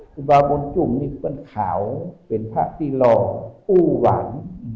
คุณป๊าบรรจุมนี่ของผมค่าวเป็นพระทีรออู้่หวัน